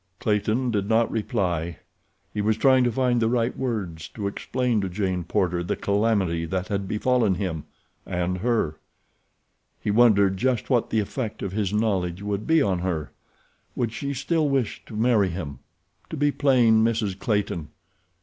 Clayton did not reply. He was trying to find the right words to explain to Jane Porter the calamity that had befallen him—and her. He wondered just what the effect of his knowledge would be on her. Would she still wish to marry him—to be plain Mrs. Clayton?